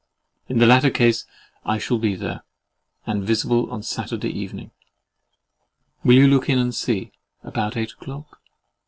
In the latter case I shall be there, and visible on Saturday evening. Will you look in and see, about eight o'clock?